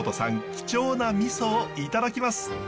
貴重なミソをいただきます。